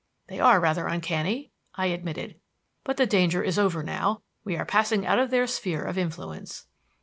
"They are rather uncanny," I admitted, "but the danger is over now. We are passing out of their sphere of influence."